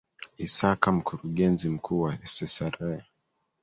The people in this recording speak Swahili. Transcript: isaka mkurugenzi mkuu wa ssra